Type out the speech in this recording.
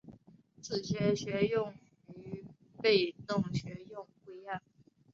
自觉学用与被动学用不一样